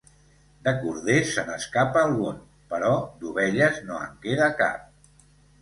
De corders se n'escapa algun, però d'ovelles no en queda cap.